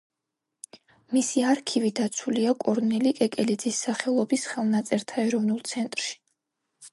მისი არქივი დაცულია კორნელი კეკელიძის სახელობის ხელნაწერთა ეროვნულ ცენტრში.